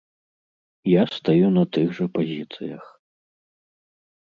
Я стаю на тых жа пазіцыях.